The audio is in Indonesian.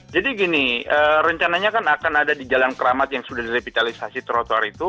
gini rencananya kan akan ada di jalan keramat yang sudah direvitalisasi trotoar itu